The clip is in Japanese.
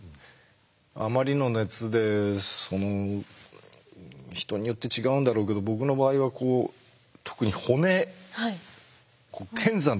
あまりの熱でその人によって違うんだろうけど僕の場合はこう特に骨。